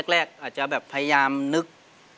แรกอาจจะแบบพยายามนึก